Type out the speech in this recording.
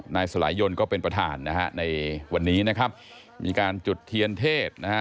นายสลายยนก็เป็นประธานนะฮะในวันนี้นะครับมีการจุดเทียนเทศนะฮะ